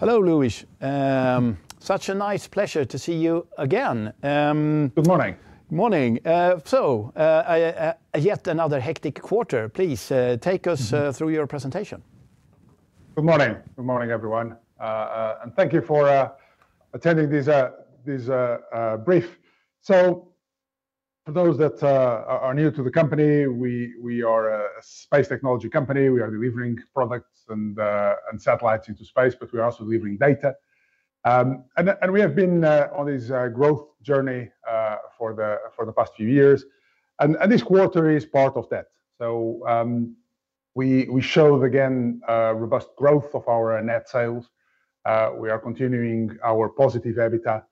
Hello, Luis. Such a nice pleasure to see you again. Good morning. Morning. Yet another hectic quarter. Please, take us through your presentation. Good morning. Good morning, everyone. Thank you for attending this brief. For those that are new to the company, we are a space technology company. We are delivering products and satellites into space, but we are also delivering data. We have been on this growth journey for the past few years. This quarter is part of that. We showed again robust growth of our net sales. We are continuing our positive EBITDA,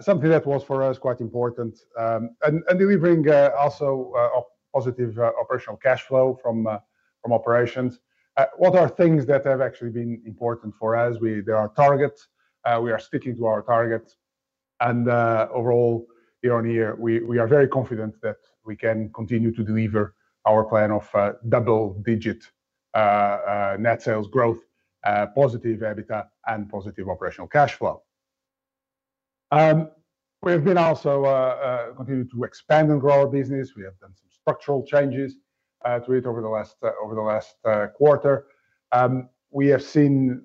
something that was for us quite important, and delivering also a positive operational cash flow from operations. What are things that have actually been important for us? There are targets. We are sticking to our targets. Overall, year on year, we are very confident that we can continue to deliver our plan of double-digit net sales growth, positive EBITDA, and positive operational cash flow. We have been also continuing to expand and grow our business. We have done some structural changes to it over the last quarter. We have seen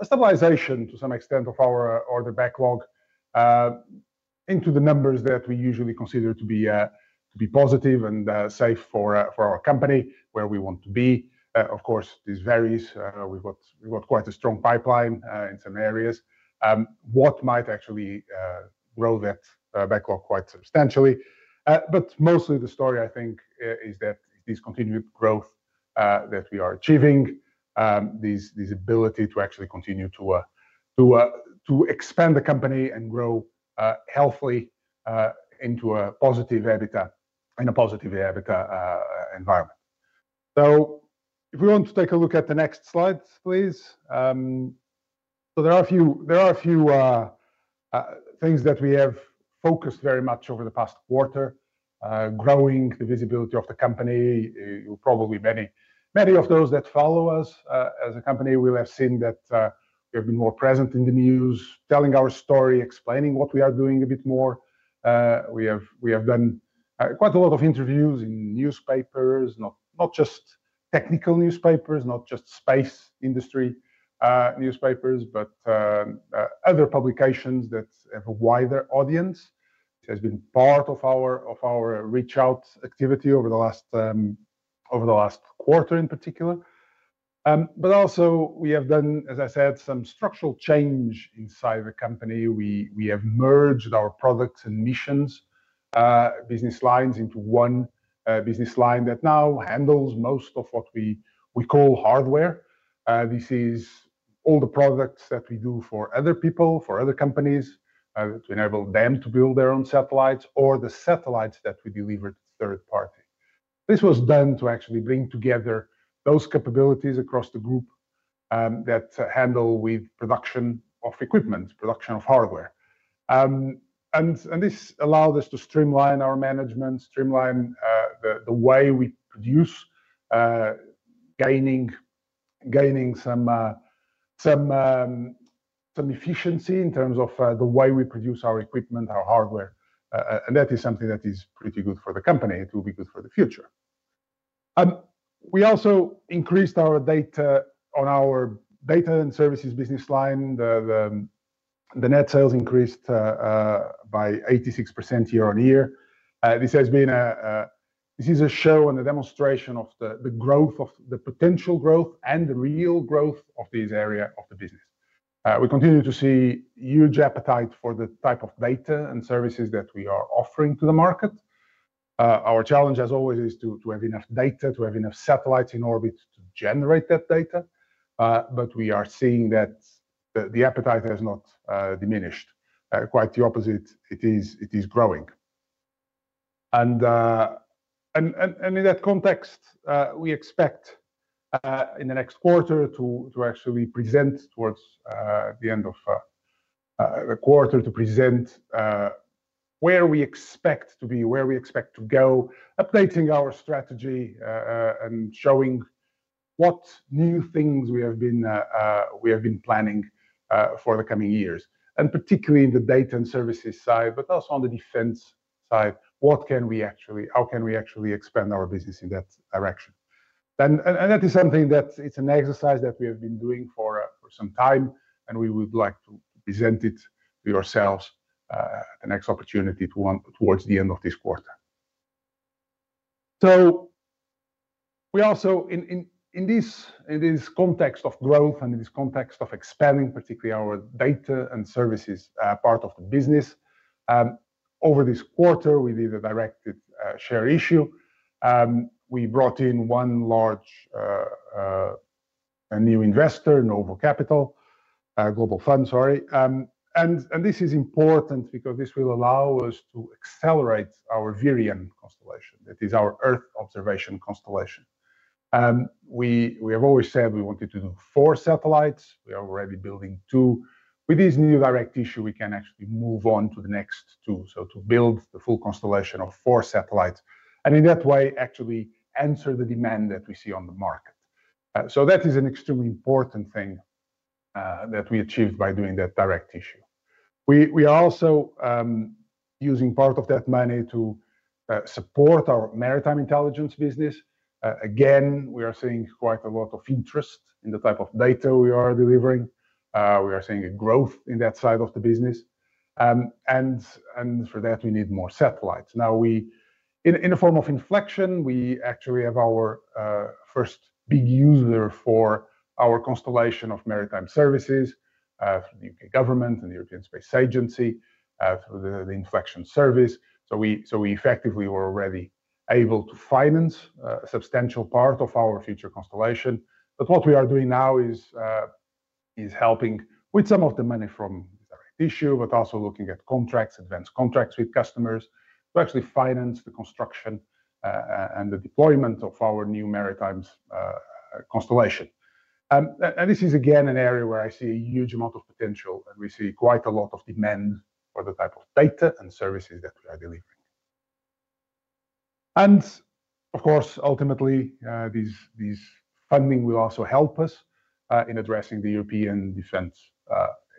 a stabilization, to some extent, of our order backlog into the numbers that we usually consider to be positive and safe for our company, where we want to be. Of course, this varies. We've got quite a strong pipeline in some areas that might actually grow that backlog quite substantially. Mostly, the story, I think, is that this continued growth that we are achieving, this ability to actually continue to expand the company and grow healthily into a positive EBITDA in a positive EBITDA environment. If we want to take a look at the next slide, please. There are a few things that we have focused very much over the past quarter, growing the visibility of the company. You're probably, many of those that follow us as a company will have seen that we have been more present in the news, telling our story, explaining what we are doing a bit more. We have done quite a lot of interviews in newspapers, not just technical newspapers, not just space industry newspapers, but other publications that have a wider audience. It has been part of our reach-out activity over the last quarter, in particular. Also, we have done, as I said, some structural change inside the company. We have merged our products and missions business lines into one business line that now handles most of what we call hardware. This is all the products that we do for other people, for other companies, to enable them to build their own satellites or the satellites that we deliver to third parties. This was done to actually bring together those capabilities across the group that handle production of equipment, production of hardware. This allowed us to streamline our management, streamline the way we produce, gaining some efficiency in terms of the way we produce our equipment, our hardware. That is something that is pretty good for the company. It will be good for the future. We also increased our data on our data and services business line. The net sales increased by 86% year-on-year. This is a show and a demonstration of the growth, the potential growth, and the real growth of this area of the business. We continue to see huge appetite for the type of data and services that we are offering to the market. Our challenge, as always, is to have enough data, to have enough satellites in orbit to generate that data. We are seeing that the appetite has not diminished. Quite the opposite. It is growing. In that context, we expect in the next quarter to actually present towards the end of the quarter to present where we expect to be, where we expect to go, updating our strategy, and showing what new things we have been planning for the coming years, and particularly in the data and services side, but also on the defense side. What can we actually, how can we actually expand our business in that direction? That is something that it's an exercise that we have been doing for some time. We would like to present it to yourselves in the next opportunity towards the end of this quarter. In this context of growth and in this context of expanding particularly our data and services part of the business, over this quarter, we did a directed share issue. We brought in one large new investor, Nova Capital, a global fund. This is important because this will allow us to accelerate our VIREON constellation. That is our Earth observation constellation. We have always said we wanted to do four satellites. We are already building two. With this new direct issue, we can actually move on to the next two, to build the full constellation of four satellites. In that way, actually answer the demand that we see on the market. That is an extremely important thing that we achieved by doing that direct issue. We are also using part of that money to support our maritime intelligence business. Again, we are seeing quite a lot of interest in the type of data we are delivering. We are seeing a growth in that side of the business. For that, we need more satellites. Now, in the form of Inflection, we actually have our first big user for our constellation of maritime services from the U.K. government and the European Space Agency, the Inflection service. We effectively were already able to finance a substantial part of our future constellation. What we are doing now is helping with some of the money from the issue, but also looking at contracts, advanced contracts with customers to actually finance the construction and the deployment of our new maritime constellation. This is, again, an area where I see a huge amount of potential. We see quite a lot of demand for the type of data and services that we are delivering. Of course, ultimately, this funding will also help us in addressing the European defense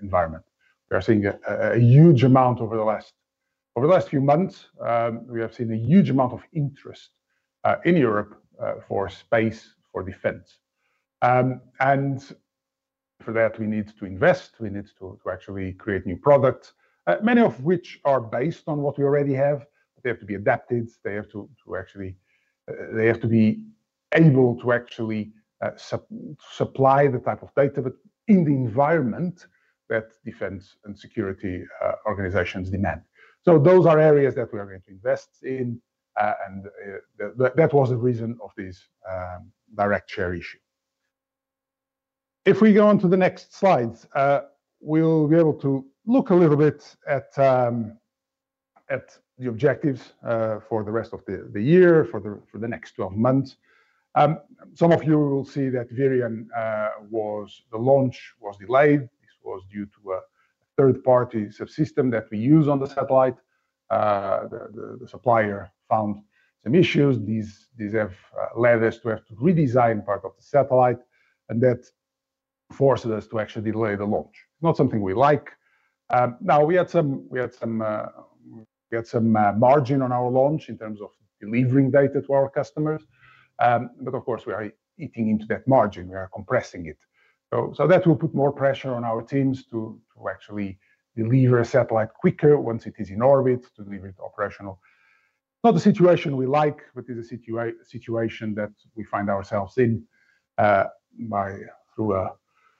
environment. We are seeing a huge amount over the last few months. We have seen a huge amount of interest in Europe for space, for defense. For that, we need to invest. We need to actually create new products, many of which are based on what we already have. They have to be adapted. They have to be able to actually supply the type of data in the environment that defense and security organizations demand. Those are areas that we are going to invest in. That was the reason of this direct share issue. If we go on to the next slide, we'll be able to look a little bit at the objectives for the rest of the year, for the next 12 months. Some of you will see that VIREON launch was delayed. This was due to a third-party subsystem that we use on the satellite. The supplier found some issues. These have led us to have to redesign part of the satellite. That forced us to actually delay the launch, not something we like. We had some margin on our launch in terms of delivering data to our customers. Of course, we are eating into that margin. We are compressing it. That will put more pressure on our teams to actually deliver a satellite quicker once it is in orbit to deliver it operational. Not a situation we like, but it is a situation that we find ourselves in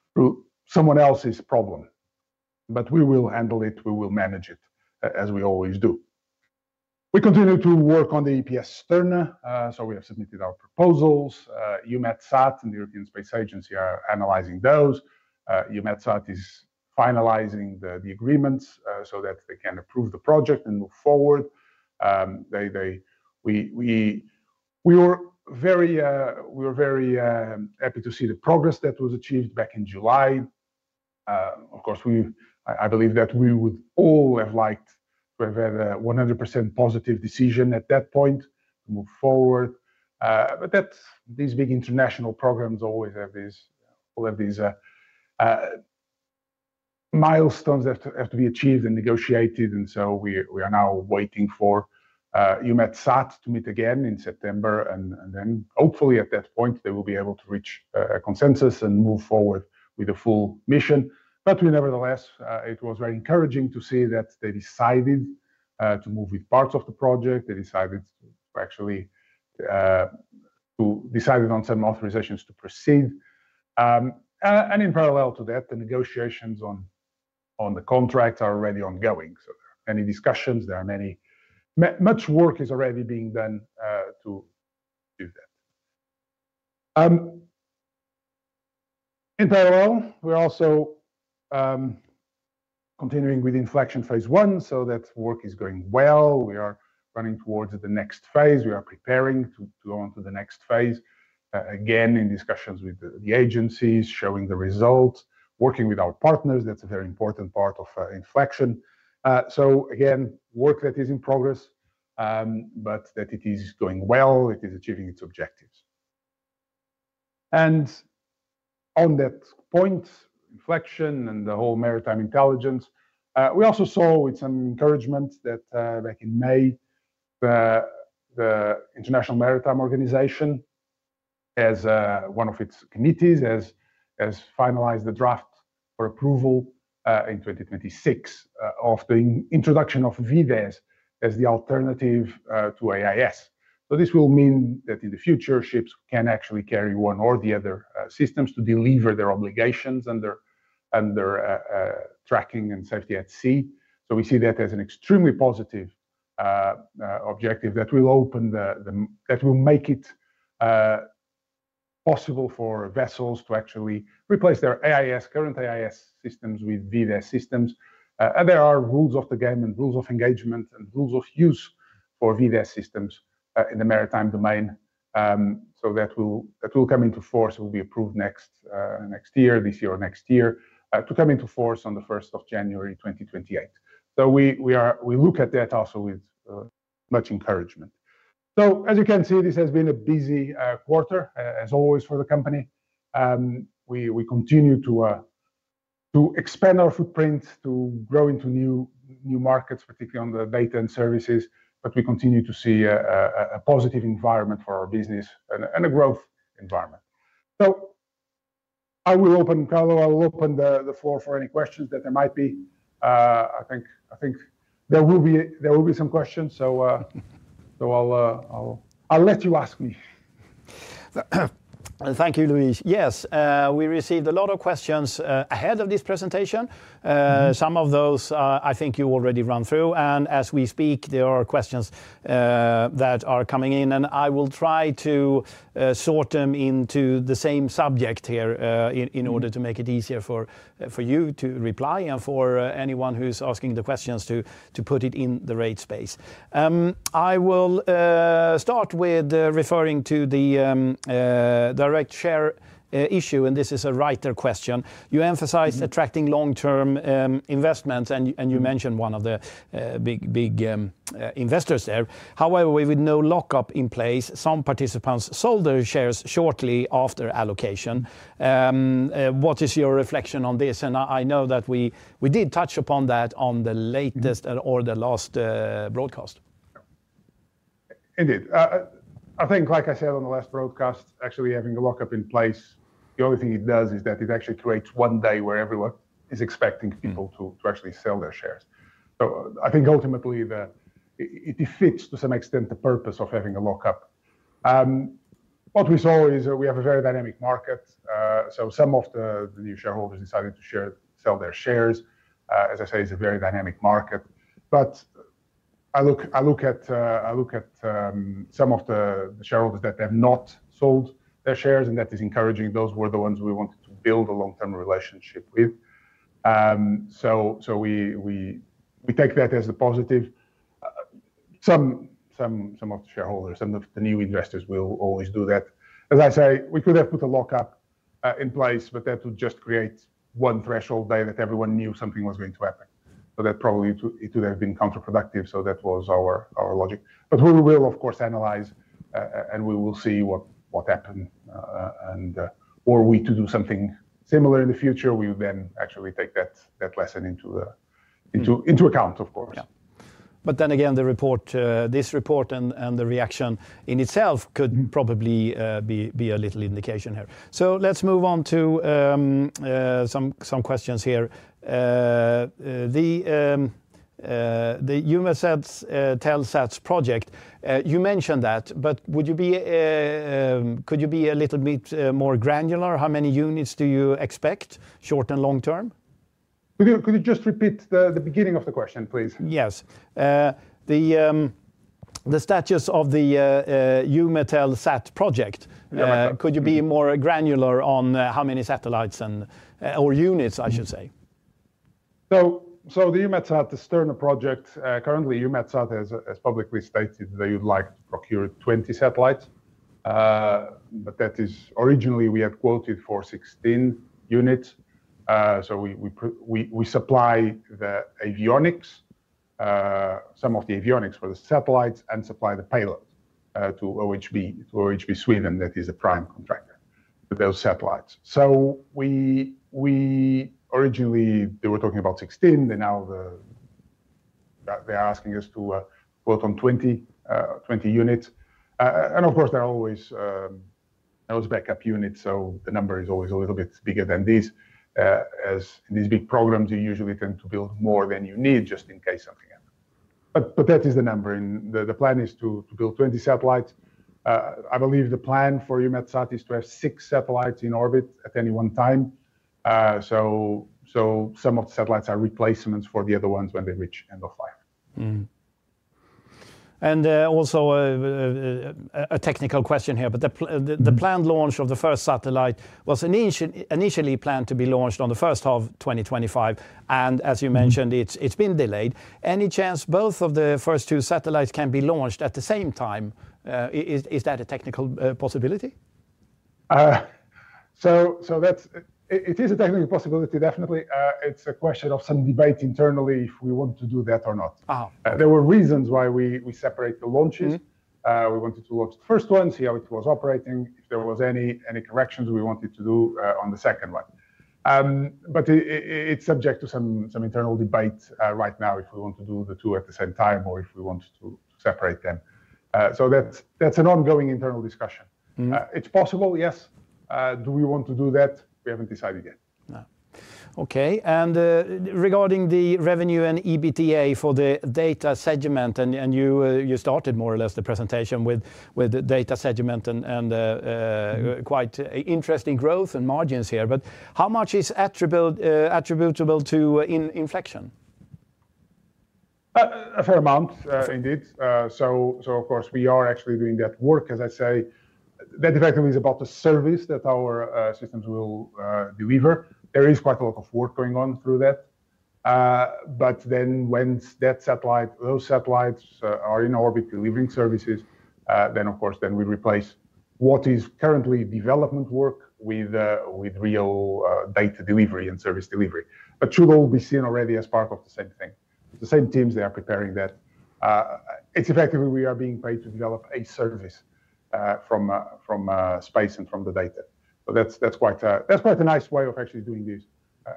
through someone else's problem. We will handle it. We will manage it, as we always do. We continue to work on the EPS-Sterna project. We have submitted our proposals. EUMETSAT and the European Space Agency are analyzing those. EUMETSAT is finalizing the agreements so that they can approve the project and move forward. We were very happy to see the progress that was achieved back in July. Of course, I believe that we would all have liked to have had a 100% positive decision at that point to move forward. These big international programs always have these milestones that have to be achieved and negotiated. We are now waiting for EUMETSAT to meet again in September. Hopefully, at that point, they will be able to reach a consensus and move forward with the full mission. Nevertheless, it was very encouraging to see that they decided to move with parts of the project. They decided to actually decide on some authorizations to proceed. In parallel to that, the negotiations on the contracts are already ongoing. There are many discussions. There is much work that is already being done to do that. In parallel, we are also continuing with Inflection phase one. That work is going well. We are running towards the next phase. We are preparing to go on to the next phase, again, in discussions with the agencies, showing the results, working with our partners. That's a very important part of Inflection. Work is in progress, but it is going well. It is achieving its objectives. On that point, Inflection and the whole maritime intelligence, we also saw with some encouragement that back in May, the International Maritime Organization, one of its committees, has finalized the draft for approval in 2026 of the introduction of VDES as the alternative to AIS. This will mean that in the future, ships can actually carry one or the other systems to deliver their obligations under tracking and safety at sea. We see that as an extremely positive objective that will make it possible for vessels to actually replace their current AIS systems with VDES systems. There are rules of the game and rules of engagement and rules of use for VDES systems in the maritime domain. That will come into force. It will be approved this year or next year, to come into force on January 1, 2028. We look at that also with much encouragement. As you can see, this has been a busy quarter, as always, for the company. We continue to expand our footprint, to grow into new markets, particularly on the data and services. We continue to see a positive environment for our business and a growth environment. I will open, Carlo, I will open the floor for any questions that there might be. I think there will be some questions. I'll let you ask me. Thank you, Luis. Yes, we received a lot of questions ahead of this presentation. Some of those, I think, you already ran through. As we speak, there are questions that are coming in. I will try to sort them into the same subject here in order to make it easier for you to reply and for anyone who is asking the questions to put it in the right space. I will start with referring to the direct share issue. This is a writer question. You emphasized attracting long-term investments, and you mentioned one of the big investors there. However, with no lockup in place, some participants sold their shares shortly after allocation. What is your reflection on this? I know that we did touch upon that on the latest or the last broadcast. Indeed. I think, like I said on the last broadcast, actually having the lockup in place, the only thing it does is that it actually creates one day where everyone is expecting people to actually sell their shares. I think ultimately, it defeats, to some extent, the purpose of having a lockup. What we saw is that we have a very dynamic market. Some of the new shareholders decided to sell their shares. As I said, it's a very dynamic market. I look at some of the shareholders that have not sold their shares, and that is encouraging. Those were the ones we wanted to build a long-term relationship with, so we take that as a positive. Some of the shareholders, some of the new investors will always do that. We could have put a lockup in place, but that would just create one threshold day that everyone knew something was going to happen. That probably would have been counterproductive. That was our logic. We will, of course, analyze, and we will see what happened. Were we to do something similar in the future, we would then actually take that lesson into account, of course. This report and the reaction in itself could probably be a little indication here. Let's move on to some questions here. The EUMETSAT TELSAT project, you mentioned that. Could you be a little bit more granular? How many units do you expect short and long term? Could you just repeat the beginning of the question, please? Yes. The status of the EUMETSAT project, could you be more granular on how many satellites or units, I should say? The EUMETSAT, the Sterna project, currently, EUMETSAT has publicly stated they would like to procure 20 satellites. That is, originally, we had quoted for 16 units. We supply the avionics, some of the avionics for the satellites, and supply the payload to OHB Sweden. That is a prime contractor for those satellites. Originally, they were talking about 16. They now are asking us to quote on 20 units. Of course, there are always backup units, so the number is always a little bit bigger than this. As in these big programs, you usually tend to build more than you need just in case something happens. That is the number. The plan is to build 20 satellites. I believe the plan for EUMETSAT is to have six satellites in orbit at any one time, so some of the satellites are replacements for the other ones when they reach end of life. A technical question here. The planned launch of the first satellite was initially planned to be launched in the first half of 2025, and as you mentioned, it's been delayed. Any chance both of the first two satellites can be launched at the same time? Is that a technical possibility? It is a technical possibility, definitely. It's a question of some debate internally if we want to do that or not. There were reasons why we separate the launches. We wanted to launch the first one, see how it was operating, and if there were any corrections we wanted to do on the second one. It's subject to some internal debate right now if we want to do the two at the same time or if we want to separate them. That's an ongoing internal discussion. It's possible, yes. Do we want to do that? We haven't decided yet. OK. Regarding the revenue and EBITDA for the data segment, you started more or less the presentation with the data segment and quite interesting growth and margins here. How much is attributable to Inflection? A fair amount, indeed. Of course, we are actually doing that work. As I say, that effectively is about the service that our systems will deliver. There is quite a lot of work going on through that. Once those satellites are in orbit delivering services, we replace what is currently development work with real data delivery and service delivery. It should all be seen already as part of the same thing. The same teams are preparing that. Effectively, we are being paid to develop a service from space and from the data. That's quite a nice way of actually doing this.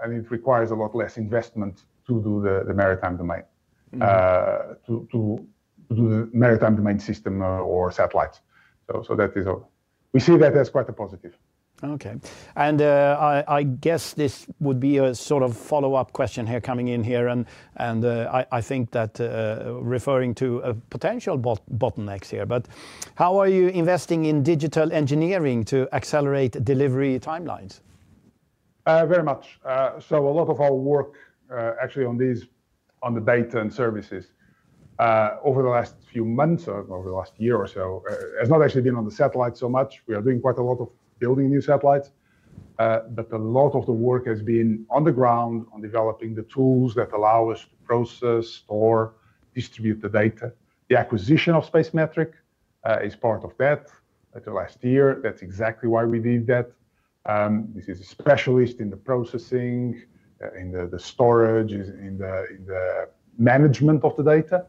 It requires a lot less investment to do the maritime domain system or satellites. That is all. We see that as quite a positive. OK. I guess this would be a sort of follow-up question here coming in here. I think that referring to a potential bottleneck here. How are you investing in digital engineering to accelerate delivery timelines? Very much. A lot of our work actually on the data and services over the last few months, over the last year or so, has not actually been on the satellite so much. We are doing quite a lot of building new satellites, but a lot of the work has been on the ground on developing the tools that allow us to process, store, distribute the data. The acquisition of Spacemetric is part of that. That's the last year. That's exactly why we did that. This is a specialist in the processing, in the storage, in the management of the data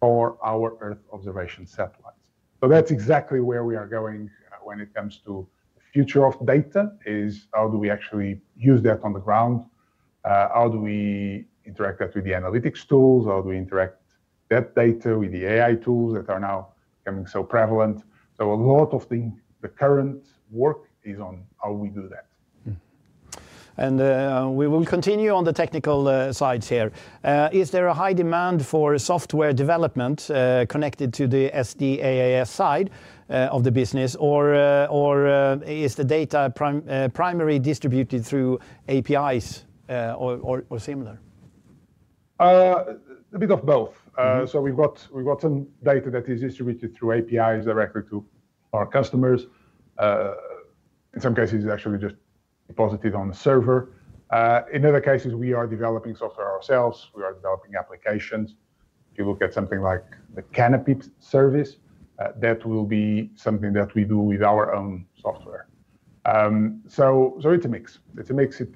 for our Earth observation satellites. That's exactly where we are going when it comes to the future of data, is how do we actually use that on the ground? How do we interact that with the analytics tools? How do we interact that data with the AI tools that are now becoming so prevalent? A lot of the current work is on how we do that. We will continue on the technical sides here. Is there a high demand for software development connected to the SDaaS side of the business? Or is the data primarily distributed through APIs or similar? A bit of both. We've got some data that is distributed through APIs directly to our customers. In some cases, it's actually just deposited on the server. In other cases, we are developing software ourselves and developing applications. If you look at something like the Canopy service, that will be something that we do with our own software. It's a mix,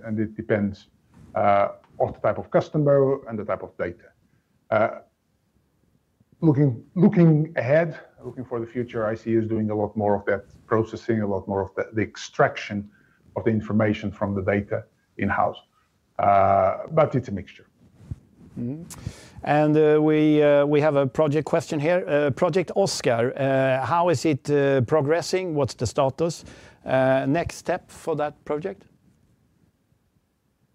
and it depends on the type of customer and the type of data. Looking ahead, looking for the future, I see us doing a lot more of that processing, a lot more of the extraction of the information from the data in-house. It's a mixture. We have a project question here, Project OSCAR. How is it progressing? What's the status? Next step for that project?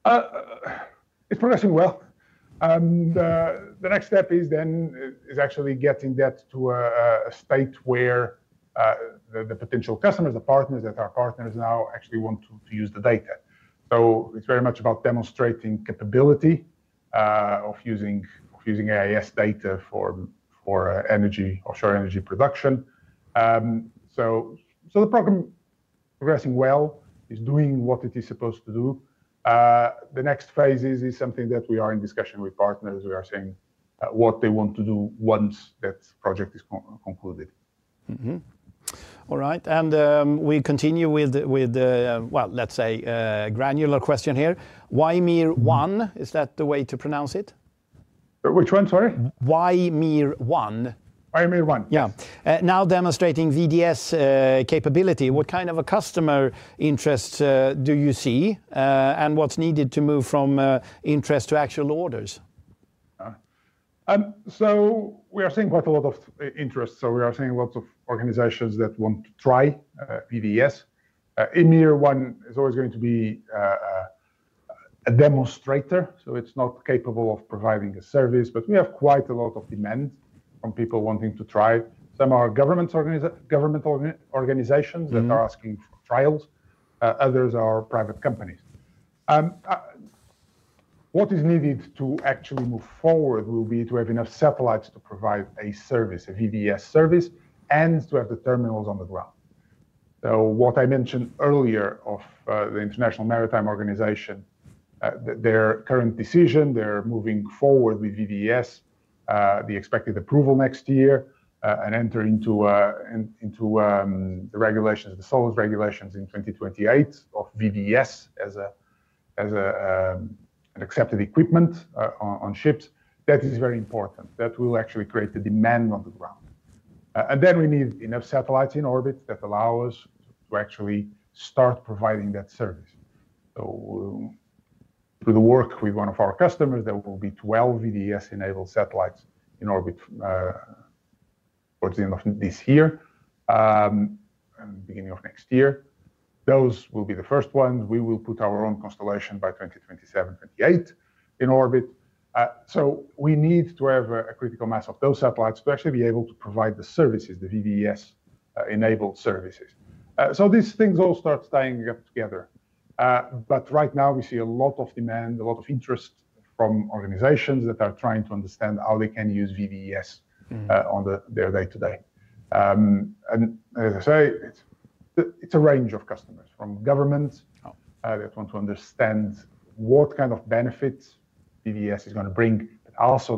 It's progressing well. The next step is actually getting that to a state where the potential customers, the partners that are partners now, actually want to use the data. It's very much about demonstrating capability of using AIS data for offshore energy production. The program is progressing well. It's doing what it is supposed to do. The next phase is something that we are in discussion with partners about, saying what they want to do once that project is concluded. All right. We continue with, let's say, a granular question here. Ymir-1, is that the way to pronounce it? Which one, sorry? Ymir-1. Ymir-1. Yeah. Now demonstrating VDES capability. What kind of a customer interest do you see? What's needed to move from interest to actual orders? We are seeing quite a lot of interest. We are seeing lots of organizations that want to try VDES. Ymir-1 is always going to be a demonstrator. It is not capable of providing a service, but we have quite a lot of demand from people wanting to try. Some are government organizations that are asking for trials. Others are private companies. What is needed to actually move forward will be to have enough satellites to provide a service, a VDES service, and to have the terminals on the ground. What I mentioned earlier about the International Maritime Organization, their current decision, they are moving forward with VDES, the expected approval next year, and entry into the regulations, the solid regulations in 2028 of VDES as an accepted equipment on ships. That is very important. That will actually create the demand on the ground. We need enough satellites in orbit that allow us to actually start providing that service. Through the work with one of our customers, there will be 12 VDES-enabled satellites in orbit towards the end of this year, the beginning of next year. Those will be the first ones. We will put our own constellation by 2027, 2028 in orbit. We need to have a critical mass of those satellites to actually be able to provide the services, the VDES-enabled services. These things all start staying together. Right now, we see a lot of demand, a lot of interest from organizations that are trying to understand how they can use VDES on their day-to-day. As I say, it is a range of customers from governments that want to understand what kind of benefits VDES is going to bring, also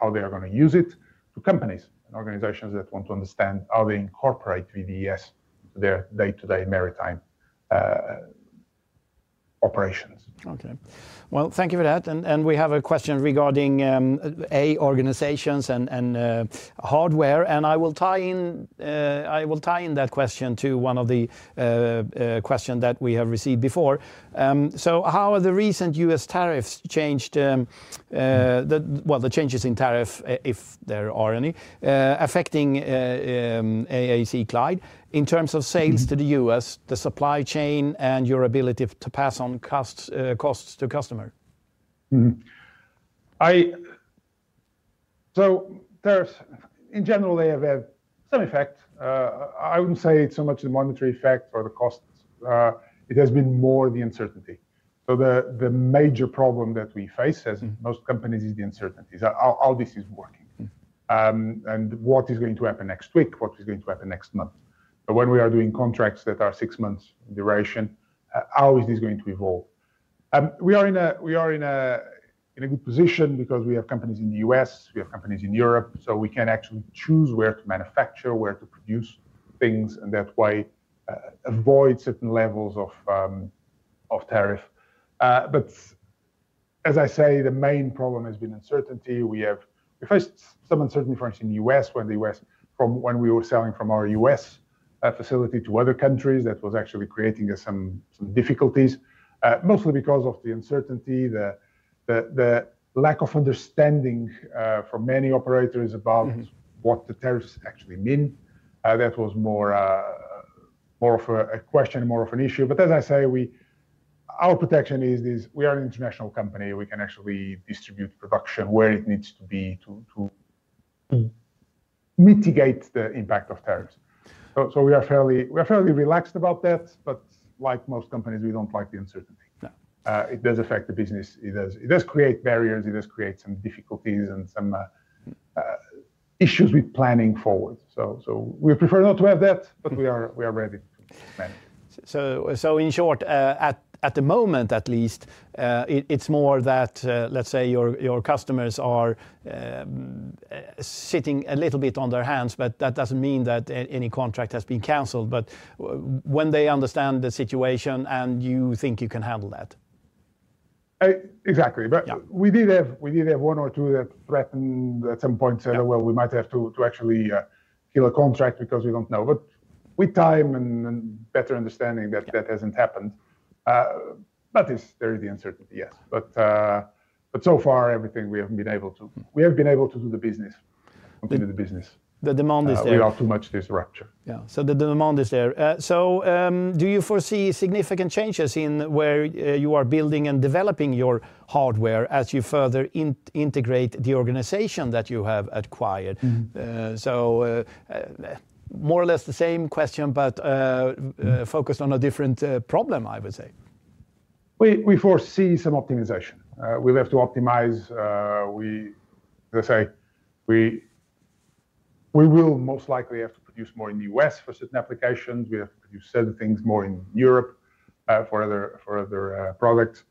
how they are going to use it, to companies and organizations that want to understand how they incorporate VDES to their day-to-day maritime operations. Thank you for that. We have a question regarding organizations and hardware. I will tie in that question to one of the questions that we have received before. How are the recent U.S. tariffs changed? The changes in tariff, if there are any, affecting AAC Clyde Space in terms of sales to the U.S., the supply chain, and your ability to pass on costs to customers? In general, they have had some effect. I wouldn't say it's so much the monetary effect or the costs. It has been more the uncertainty. The major problem that we face, as most companies, is the uncertainty. How this is working and what is going to happen next week, what is going to happen next month. When we are doing contracts that are six months in duration, how is this going to evolve? We are in a good position because we have companies in the U.S. We have companies in Europe. We can actually choose where to manufacture, where to produce things, and that way avoid certain levels of tariff. As I say, the main problem has been uncertainty. We faced some uncertainty, for instance, in the U.S. when we were selling from our U.S. facility to other countries. That was actually creating some difficulties, mostly because of the uncertainty, the lack of understanding from many operators about what the tariffs actually mean. That was more of a question and more of an issue. As I say, our protection is we are an international company. We can actually distribute production where it needs to be to mitigate the impact of tariffs. We are fairly relaxed about that. Like most companies, we don't like the uncertainty. It does affect the business. It does create barriers. It does create some difficulties and some issues with planning forward. We prefer not to have that. We are ready to manage. At the moment at least, it's more that, let's say, your customers are sitting a little bit on their hands. That doesn't mean that any contract has been canceled. When they understand the situation and you think you can handle that. Exactly. We did have one or two that threatened at some point, said we might have to actually kill a contract because we don't know. With time and better understanding, that hasn't happened. There is the uncertainty, yes. So far, everything we have been able to do. We have been able to do the business. The demand is there. Without too much disruption. Yeah, the demand is there. Do you foresee significant changes in where you are building and developing your hardware as you further integrate the organization that you have acquired? More or less the same question, but focused on a different problem, I would say. We foresee some optimization. We'll have to optimize. As I say, we will most likely have to produce more in the U.S. for certain applications. We have to produce certain things more in Europe for other products.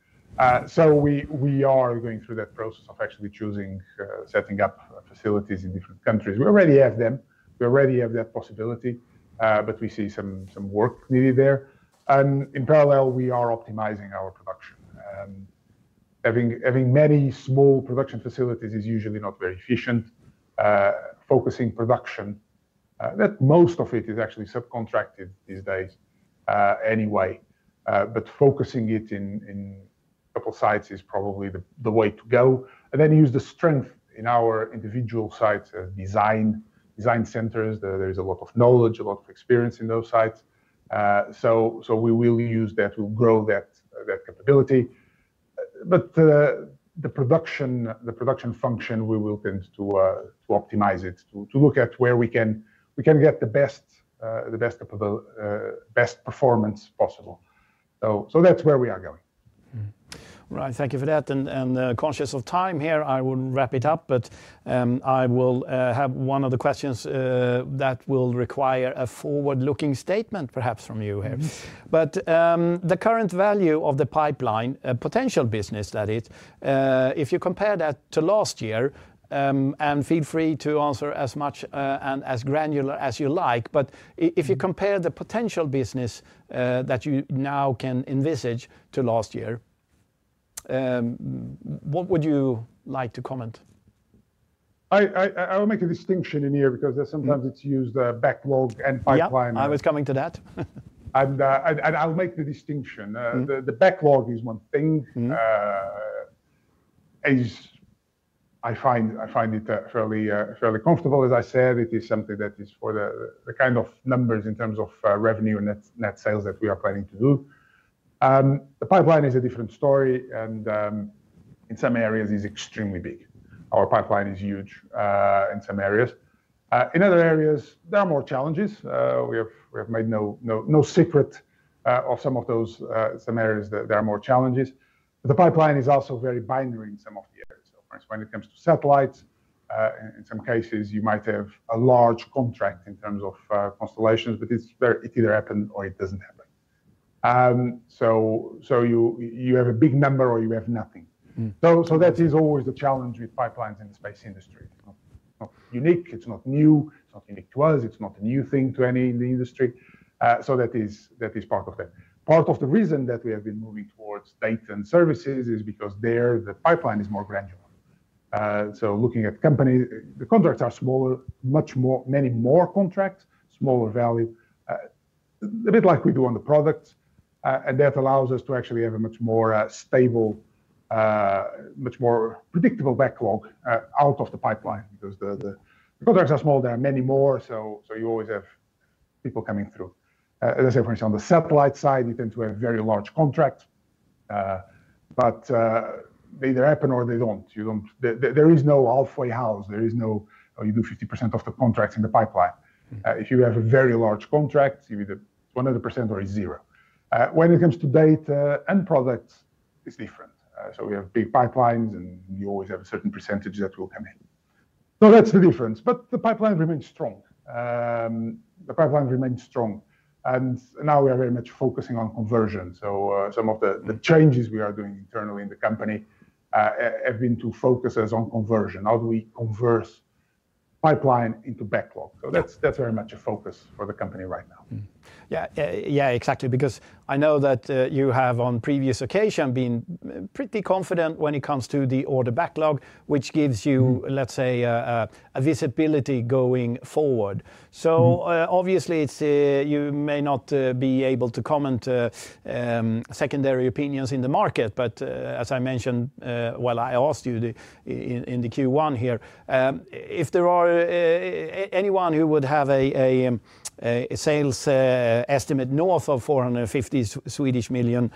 We are going through that process of actually choosing, setting up facilities in different countries. We already have them. We already have that possibility. We see some work needed there. In parallel, we are optimizing our production. Having many small production facilities is usually not very efficient. Focusing production, most of it is actually subcontracted these days anyway. Focusing it in a couple of sites is probably the way to go. Then use the strength in our individual sites, design centers. There is a lot of knowledge, a lot of experience in those sites. We will use that. We will grow that capability. The production function, we will tend to optimize it, to look at where we can get the best performance possible. That's where we are going. Right. Thank you for that. Conscious of time here, I will wrap it up. I will have one of the questions that will require a forward-looking statement, perhaps, from you here. The current value of the pipeline, potential business, that is, if you compare that to last year, and feel free to answer as much and as granular as you like. If you compare the potential business that you now can envisage to last year, what would you like to comment? I will make a distinction in here because sometimes it's used backlog and pipeline. Yeah, I was coming to that. I'll make the distinction. The backlog is one thing. I find it fairly comfortable. As I said, it is something that is for the kind of numbers in terms of revenue and net sales that we are planning to do. The pipeline is a different story. In some areas, it is extremely big. Our pipeline is huge in some areas. In other areas, there are more challenges. We have made no secret of some of those scenarios. There are more challenges. The pipeline is also very binary in some of the areas. For instance, when it comes to satellites, in some cases, you might have a large contract in terms of constellations, but it either happens or it doesn't happen. You have a big number or you have nothing. That is always the challenge with pipelines in the space industry. It's not unique. It's not new. It's not unique to us. It's not a new thing to any in the industry. That is part of that. Part of the reason that we have been moving towards data and services is because there, the pipeline is more granular. Looking at companies, the contracts are smaller, many more contracts, smaller value, a bit like we do on the products. That allows us to actually have a much more stable, much more predictable backlog out of the pipeline because the contracts are small. There are many more, so you always have people coming through. For instance, on the satellite side, you tend to have very large contracts, but they either happen or they don't. There is no halfway house. You do 50% of the contracts in the pipeline. If you have a very large contract, it's either 100% or it's 0. When it comes to data and products, it's different. We have big pipelines, and you always have a certain percentage that will come in. That's the difference. The pipeline remains strong. The pipeline remains strong, and now we are very much focusing on conversion. Some of the changes we are doing internally in the company have been to focus on conversion. How do we convert pipeline into backlog? That is very much a focus for the company right now. Yeah, yeah, exactly. I know that you have, on previous occasions, been pretty confident when it comes to the order backlog, which gives you, let's say, a visibility going forward. Obviously, you may not be able to comment secondary opinions in the market. As I mentioned, I asked you in the Q1 here, if there are anyone who would have a sales estimate north of 450 million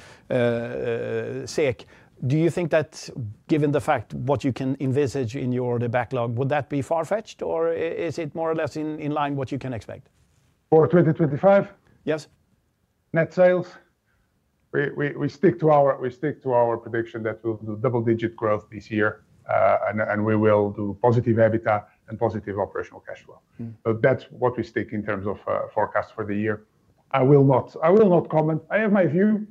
SEK, do you think that, given the fact what you can envisage in your order backlog, would that be far-fetched? Or is it more or less in line with what you can expect? For 2025? Yes. Net sales, we stick to our prediction that we'll do double-digit growth this year. We will do positive EBITDA and positive operational cash flow. That's what we stick in terms of forecast for the year. I will not comment. I have my view.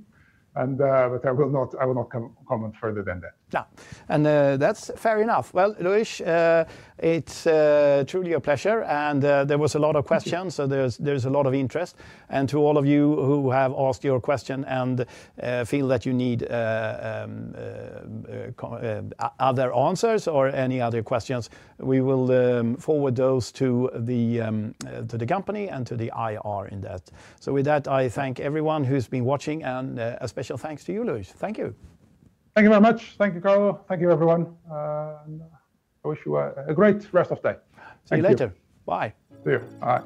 I will not comment further than that. That's fair enough. Luis, it's truly a pleasure. There was a lot of questions, so there's a lot of interest. To all of you who have asked your question and feel that you need other answers or any other questions, we will forward those to the company and to the IR in that. I thank everyone who's been watching, and a special thanks to you, Luis. Thank you. Thank you very much. Thank you, Carlo. Thank you, everyone. I wish you a great rest of the day. See you later. Bye. See you. Bye.